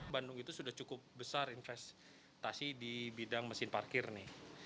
bandung itu sudah cukup besar investasi di bidang mesin parkir nih